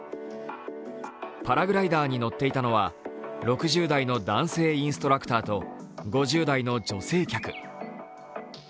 パラグライダーに乗っていたのは６０代の男性インストラクターと５０代の女性客。